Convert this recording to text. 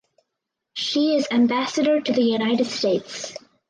She is ambassador to the United States.